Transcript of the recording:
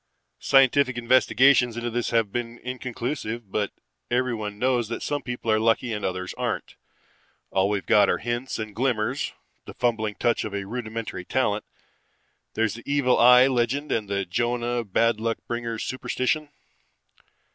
Scientific investigations into this have been inconclusive, but everyone knows that some people are lucky and others aren't. All we've got are hints and glimmers, the fumbling touch of a rudimentary talent. There's the evil eye legend and the Jonah, bad luck bringers. Superstition?